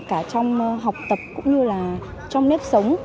cả trong học tập cũng như là trong nếp sống